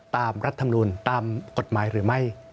ตามรัฐธรรมนูลตามกฎหมายหรือไม่